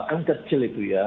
kan kecil itu ya